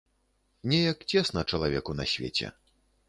Неяк цесна чалавеку на свеце.